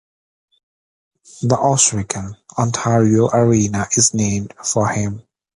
The Ohsweken, Ontario Arena is named for him.